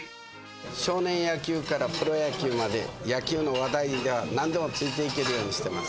少年野球からプロ野球まで、野球の話題ではなんでもついていけるようにしてます。